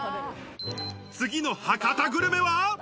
次の博多グルメは。